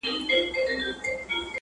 په داسې یوه افسانه واړوي